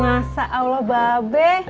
masa allah babe